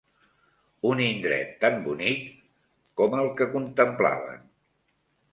Un indret tan bonic com el que contemplaven